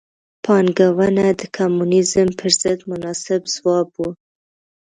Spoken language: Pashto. پانګونه د کمونیزم پر ضد مناسب ځواب و.